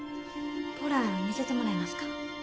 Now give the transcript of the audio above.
ポラ見せてもらえますか？